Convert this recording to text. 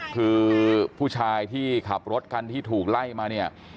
คือผู้ชายที่ขับรถคันที่ถูกไล่มาเนี่ย